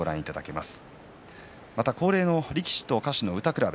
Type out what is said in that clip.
また、恒例の力士と歌手の歌くらべ。